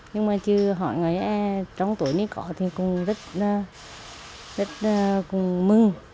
nhưng mà chứ hỏi người trong tuổi này có thì cũng rất mừng